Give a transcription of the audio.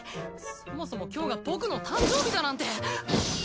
そもそも今日が僕の誕生日だなんて。